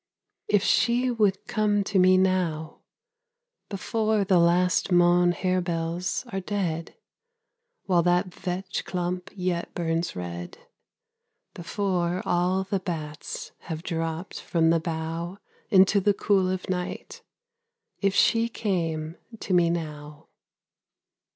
If she would come to me now, Before the last mown harebells are dead, While that vetch clump yet burns red; Before all the bats have dropped from the bough Into the cool of night if she came to me now!